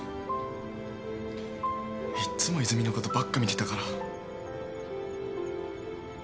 いっつも泉のことばっか見てたから。